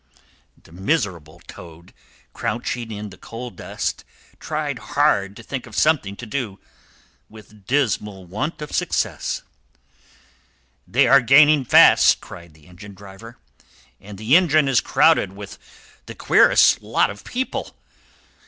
The miserable Toad, crouching in the coal dust, tried hard to think of something to do, with dismal want of success. "They are gaining on us fast!" cried the engine driver. And the engine is crowded with the queerest lot of people!